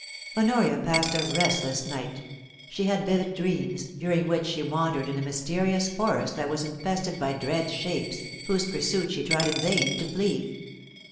Honor I A passed a restless night She had vivid dreams, during which she wandered in a mysterious forest that was infested by dread shapes, whose pursuit she tried in vain to flee.